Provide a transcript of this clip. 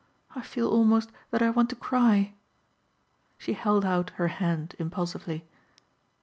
I feel almost that I want to cry." She held out her hand impulsively.